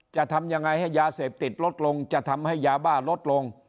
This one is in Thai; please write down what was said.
จะทำยังไงให้ยาเสพติดลดลงจะทำให้ยาบ้าลดลง